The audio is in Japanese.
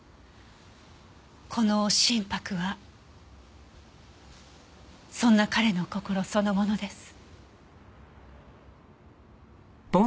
この真柏はそんな彼の心そのものです。